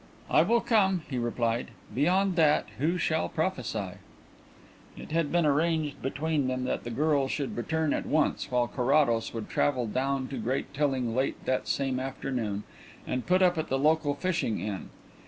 "I will come," he replied. "Beyond that who shall prophesy?" It had been arranged between them that the girl should return at once, while Carrados would travel down to Great Tilling late that same afternoon and put up at the local fishing inn.